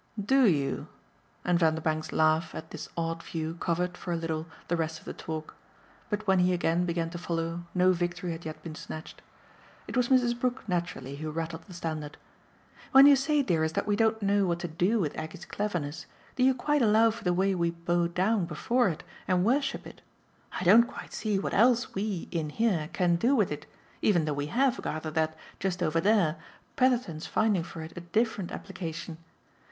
"DO you?" And Vanderbank's laugh at this odd view covered, for a little, the rest of the talk. But when he again began to follow no victory had yet been snatched. It was Mrs. Brook naturally who rattled the standard. "When you say, dearest, that we don't know what to 'do' with Aggie's cleverness, do you quite allow for the way we bow down before it and worship it? I don't quite see what else we in here can do with it, even though we HAVE gathered that, just over there, Petherton's finding for it a different application.